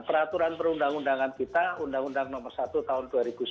peraturan perundang undangan kita undang undang nomor satu tahun dua ribu sembilan belas